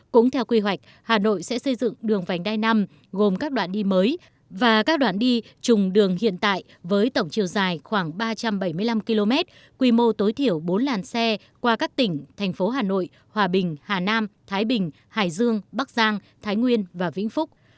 cũng theo quy hoạch hà nội sẽ xây dựng đường vành đai năm gồm các đoạn đi mới và các đoạn đi trùng đường hiện tại với tổng chiều dài khoảng ba trăm bảy mươi năm km quy mô tối thiểu bốn làn xe qua các tỉnh thành phố hà nội hòa bình hà nam thái bình hải dương bắc giang thái nguyên và vĩnh phúc